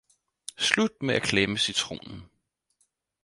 Slut med at klemme citronen.